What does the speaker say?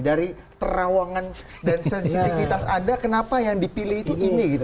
dari terawangan dan sensitivitas anda kenapa yang dipilih itu ini gitu